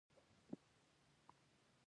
زه د خځې له خوا وهل کېږم